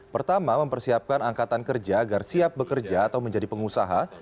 pertama mempersiapkan angkatan kerja agar siap bekerja atau menjadi pengusaha